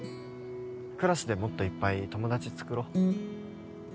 クラスでもっといっぱい友達作ろう